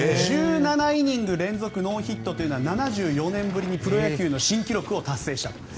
１７イニング連続ノーヒットは７４年ぶりにプロ野球の新記録を達成した。